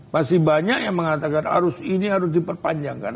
masih banyak yang mengatakan arus ini harus diperpanjangkan